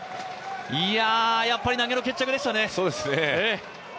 やっぱり投げの決着でしたね。